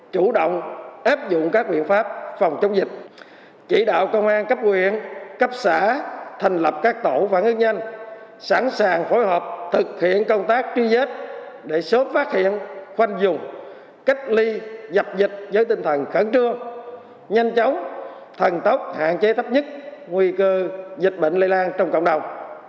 công an tỉnh nông an đã thành lập các tổ phản ứng nhanh sẵn sàng phối hợp thực hiện công tác truy vết để sớm phát hiện khoanh vùng cách ly dập dịch với tinh thần khẩn trương nhanh chóng thần tốc hạn chế thấp nhất nguy cơ dịch bệnh lây lan trong cộng đồng